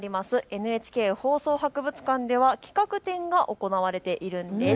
ＮＨＫ放送博物館では企画展が行われているんです。